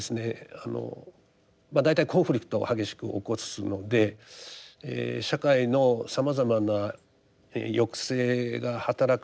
あの大体コンフリクトを激しく起こすので社会のさまざまな抑制が働く場合が多い。